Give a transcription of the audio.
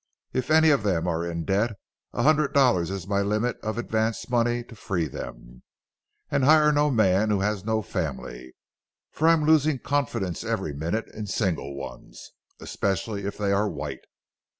If any of them are in debt, a hundred dollars is my limit of advance money to free them. And hire no man who has not a family, for I'm losing confidence every minute in single ones, especially if they are white.